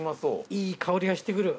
いい香りがしてくる。